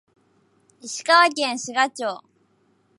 石川県志賀町